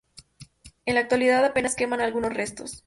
En la actualidad apenas quedan algunos restos.